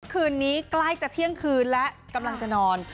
คืนนี้ใกล้จะเที่ยงคืนและกำลังจะนอน